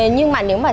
nhưng mà nếu mà